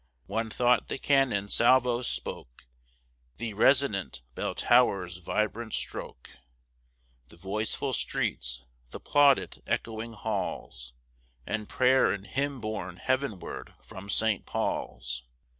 One thought the cannon salvos spoke, The resonant bell tower's vibrant stroke, The voiceful streets, the plaudit echoing halls, And prayer and hymn borne heavenward from St. Paul's!